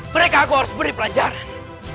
mereka harus beri pelajaran